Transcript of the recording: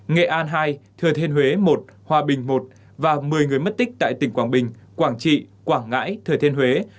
nghệ an hai thừa thiên huế một hòa bình i và một mươi người mất tích tại tỉnh quảng bình quảng trị quảng ngãi thừa thiên huế